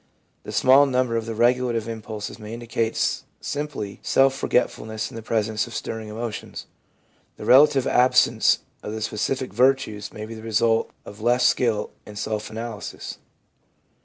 The smaller number of the regulative impulses may indicate simply self forgetfulness in the presence of stirring emotions. The relative absence of the specific virtues may be the result of less skill in self analysis.